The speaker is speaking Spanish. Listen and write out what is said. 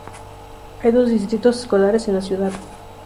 Hay dos distritos escolares en la ciudad.